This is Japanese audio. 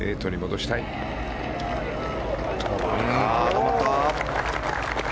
止まった。